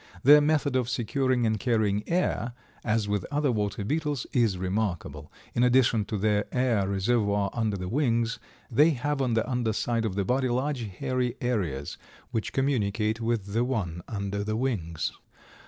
Their method of securing and carrying air, as with other water beetles, is remarkable. In addition to the air reservoir under the wings, they have on the under side of the body large hairy areas which communicate with the one under the wings.